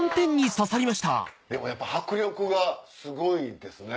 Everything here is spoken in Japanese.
でもやっぱ迫力がすごいですね。